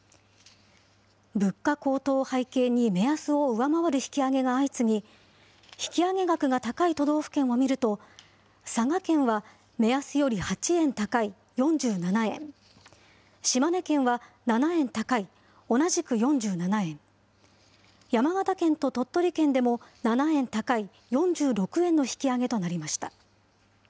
物価高騰を背景に目安を上回る引き上げが相次ぎ、引き上げ額が高い都道府県を見ると、佐賀県は目安より８円高い４７円、島根県は７円高い同じく４７円、山形県と鳥取県でも７円高い４６円の引き上げとなりました。